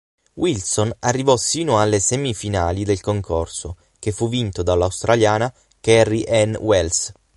Wilson arrivò sino alle semifinali del concorso, che fu vinto dall'australiana Kerry Anne Wells.